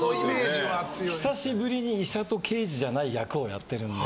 久しぶりに医者と刑事じゃない役をやってるので。